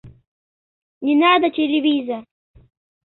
Не надо телевизор.